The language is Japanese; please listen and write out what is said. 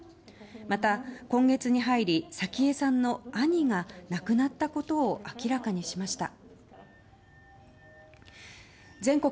また、今月に入り早紀江さんの兄が亡くなったことを明らかにしました。